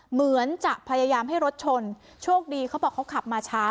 เหมือนจะพยายามให้รถชนโชคดีเขาบอกเขาขับมาช้า